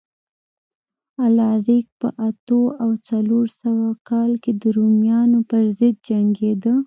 الاریک په اتو او څلور سوه کال کې د رومیانو پرضد جنګېده